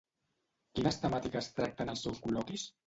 Quines temàtiques tracta en els seus col·loquis?